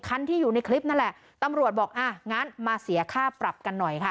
คันที่อยู่ในคลิปนั่นแหละตำรวจบอกอ่ะงั้นมาเสียค่าปรับกันหน่อยค่ะ